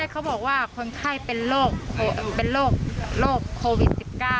เขาบอกว่าคนไข้เป็นโรคโควิด๑๙